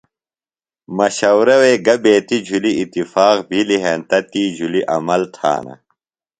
مشورہ وے گہ بیتیۡ جُھلیۡ اتفاق بِھلیۡ ہینتہ تی جُھلیۡ عمل تھانہ۔